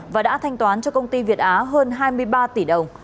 và đã thanh toán cho công ty việt á hơn hai mươi ba tỷ đồng